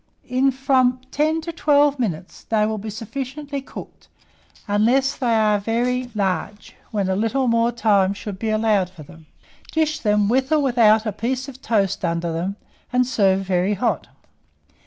In from 10 to 12 minutes they will be sufficiently cooked, unless they are very large, when a little more time should be allowed for them. Dish them with or without a piece of toast under them, and serve very hot.